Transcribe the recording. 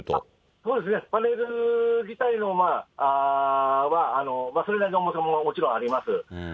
そうですね、パネル自体はそれなりの重さももちろんあります。